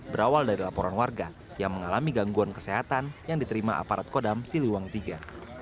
berawal dari laporan warga yang mengalami gangguan kesehatan yang diterima aparat kodam siliwang iii